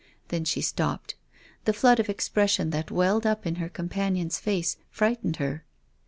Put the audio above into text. Then she stopped. The flood of expression that welled up in her companion's face frightened her.